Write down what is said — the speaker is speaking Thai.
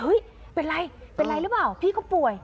เป็นไรเป็นไรหรือเปล่าพี่ก็ป่วย